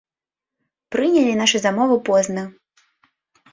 Прынялі нашу замову позна.